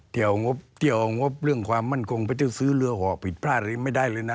เที่ยวองบเรื่องความมั่นคงไปซื้อเรือห่อผิดพลาดไม่ได้เลยนะ